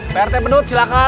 prt penut silahkan